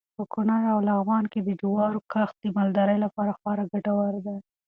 په کونړ او لغمان کې د جوارو کښت د مالدارۍ لپاره خورا ګټور دی.